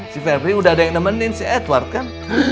si ferry udah ada yang nemenin si edward kan